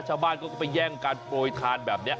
ชาวบ้านเขาก็ไปแย่งการโปรยทานแบบนี้